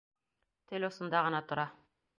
Тел осонда ғына тора.